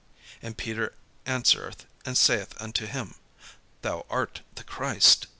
And Peter answereth and saith unto him, "Thou art the Christ."